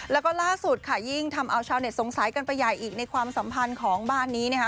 แล้วก็ล่าสุดค่ะยิ่งทำเอาชาวเน็ตสงสัยกันไปใหญ่อีกในความสัมพันธ์ของบ้านนี้นะคะ